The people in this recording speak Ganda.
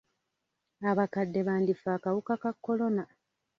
Abakadde bandifa akawuka ka kolona.